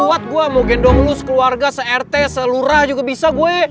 kuat gue mau gendong lo sekeluarga se rt selurah juga bisa gue